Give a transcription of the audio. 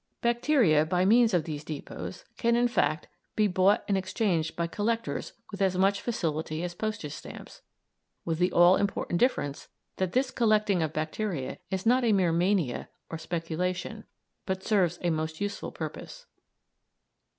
Bacteria, by means of these depôts, can, in fact, be bought or exchanged by collectors with as much facility as postage stamps, with the all important difference that this collecting of bacteria is not a mere mania or speculation, but serves a most useful purpose.